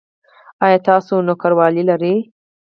ایا تاسو نوکریوالي لرئ؟